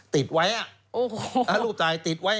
ติดไว้รูปถ่ายติดไว้